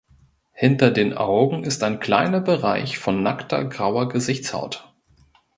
Hinter den Augen ist ein kleiner Bereich von nackter grauer Gesichtshaut.